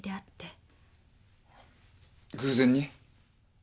偶然に？